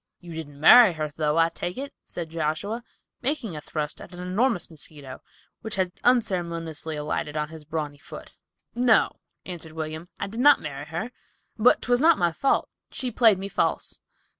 "You didn't marry her, though, I take it," said Joshua, making a thrust at an enormous mosquito, which had unceremoniously alighted upon his brawny foot. "No," answered William, "I did not marry her, but 'twas not my fault. She played me false.